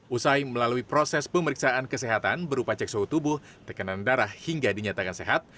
usai melalui proses pemeriksaan kesehatan berupa cek suhu tubuh tekanan darah hingga dinyatakan sehat